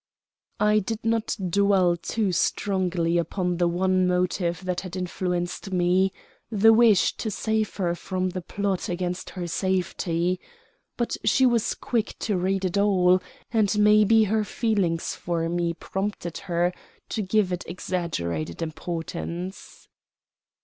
I did not dwell too strongly upon the one motive that had influenced me the wish to save her from the plot against her safety. But she was quick to read it all; and maybe her feelings for me prompted her to give it exaggerated importance.